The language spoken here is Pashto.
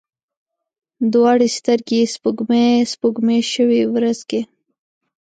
دواړې سترګي یې سپوږمۍ، سپوږمۍ شوې ورځ کې